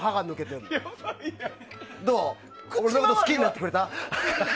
俺のこと好きになってくれた？